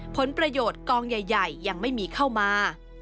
ผลประโยชน์กองใหญ่ยังไม่มีเข้ามา